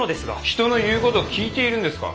人の言う事を聞いているんですか？